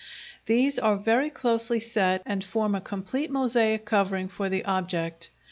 These are very closely set and form a complete mosaic covering for the object.